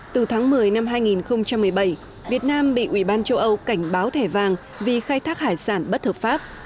từ tháng một mươi năm hai nghìn một mươi bảy việt nam bị ủy ban châu âu cảnh báo thẻ vàng vì khai thác hải sản bất hợp pháp